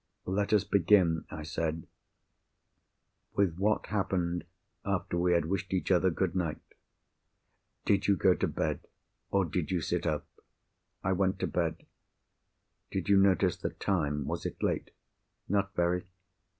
"Let us begin," I said, "with what happened after we had wished each other good night. Did you go to bed? or did you sit up?" "I went to bed." "Did you notice the time? Was it late?" "Not very.